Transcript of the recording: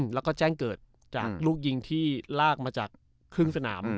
แล้วก็แจ้งเกิดจากลูกยิงที่ลากมาจากครึ่งสนาม